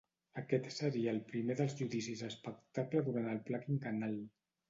Aquest seria el primer dels judicis espectacle durant el Pla Quinquennal.